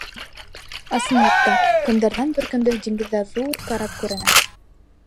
Ысынлап та, көндәрҙән бер көндө диңгеҙҙә ҙур карап күренә.